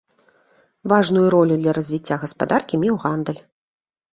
Важную ролю для развіцця гаспадаркі меў гандаль.